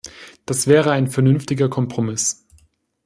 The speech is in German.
Das wäre ein vernünftiger Kompromiss.